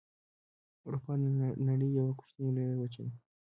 اروپا د نړۍ یوه کوچنۍ لویه وچه ده.